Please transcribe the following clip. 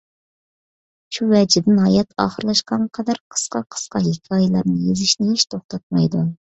شۇ ۋەجىدىن، ھاياتى ئاخىرلاشقانغا قەدەر قىسقا-قىسقا ھېكايىلەرنى يېزىشنى ھېچ توختاتمايدۇ.